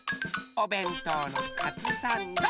おべんとうのカツサンド。